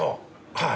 はい。